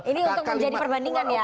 ini untuk menjadi perbandingan ya